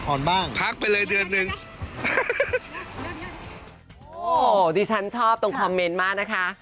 โอ้ที่ฉันชอบตรงคอมเมนต์มากนะคะ